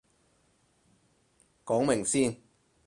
講明先